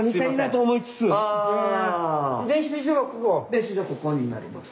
練習場ここになります。